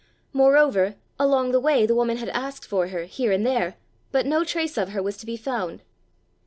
Moreover, along the way the woman had asked for her, here and there, but no trace of her was to be found.